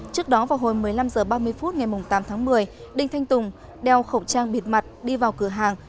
trước đó vào hồi một mươi năm h ba mươi phút ngày tám tháng một mươi đinh thanh tùng đeo khẩu trang bịt mặt đi vào cửa hàng